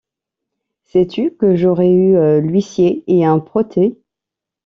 Sais-tu que j’aurais eu l’huissier et un protêt?